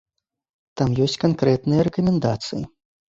Там ёсць канкрэтныя рэкамендацыі.